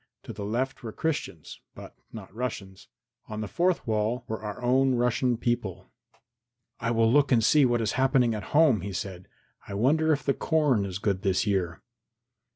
To the left were Christians, but not Russians. On the fourth side were our own Russian people. "I will look and see what is happening at home," he said. "I wonder if the corn is good this year?"